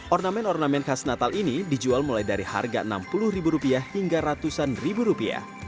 ornamen ornamen khas natal ini dijual mulai dari harga rp enam puluh hingga ratusan ribu rupiah